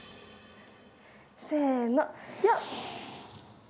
せのよっ！